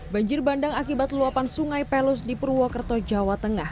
banjir bandang akibat luapan sungai pelus di purwokerto jawa tengah